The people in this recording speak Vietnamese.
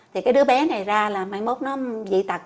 thì cái đứa bé này ra là máy mốt nó dị tật